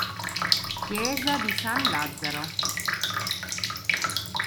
Chiesa di San Lazzaro